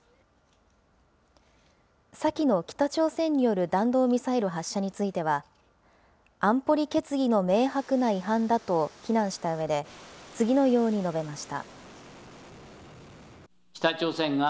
先の北朝鮮による弾道ミサイル発射については、安保理決議の明白な違反だと非難したうえで、次のように述べました。